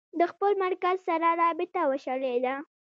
د خپل مرکز سره رابطه وشلېده.